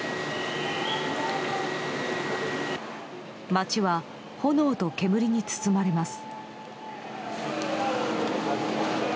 街は炎と煙に包まれます。